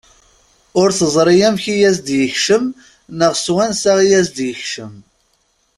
Ur teẓri amek i as-d-yekcem neɣ s wansa i as-d-yekcem.